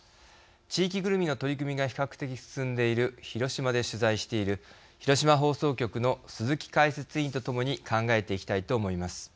地域ぐるみの取り組みが比較的進んでいる広島で取材している広島放送局の鈴木解説委員と共に考えていきたいと思います。